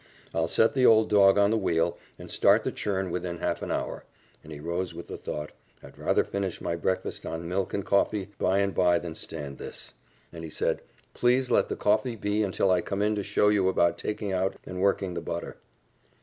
I'll set the old dog on the wheel, and start the churn within half an hour," and he rose with the thought, "I'd rather finish my breakfast on milk and coffee by and by than stand this." And he said, "Please let the coffee be until I come in to show you about taking out and working the butter."